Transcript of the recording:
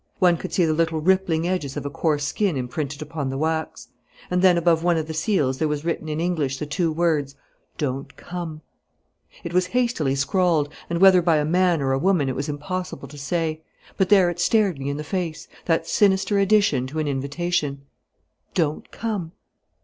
One could see the little rippling edges of a coarse skin imprinted upon the wax. And then above one of the seals there was written in English the two words, 'Don't come.' It was hastily scrawled, and whether by a man or a woman it was impossible to say; but there it stared me in the face, that sinister addition to an invitation. 'Don't come!'